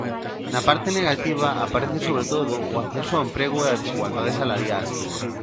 Na parte negativa aparece sobre todo o acceso ao emprego e a desigualdade salarial.